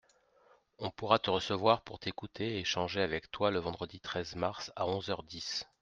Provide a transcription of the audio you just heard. On pourra te recevoir pour t’écouter et échanger avec toi le vendredi treize mars à onze heures dix.